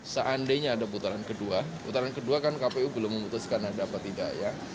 seandainya ada putaran kedua putaran kedua kan kpu belum memutuskan ada apa tidak ya